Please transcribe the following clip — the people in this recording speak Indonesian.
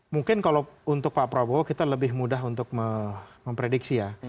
mungkin kalau untuk pak prabowo kita lebih mudah untuk memprediksi ya